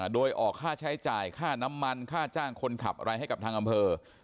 โดยออกค่าใช้จ่ายค่าน้ำมันค่าจ้างคนขับอะไรให้กับทางอำเภอ